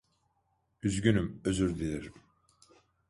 Üzgünüm, özür dilerim.